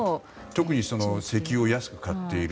特に石油を安く買っている。